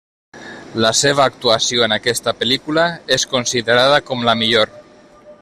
La seva actuació en aquesta pel·lícula és considerada com la millor.